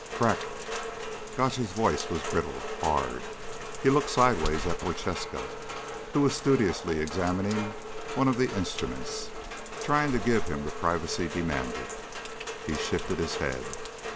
"Crag?" Gotch's voice was brittle, hard. He looked sideways at Prochaska, who was studiously examining one of the instruments, trying to give him the privacy demanded. He shifted his head.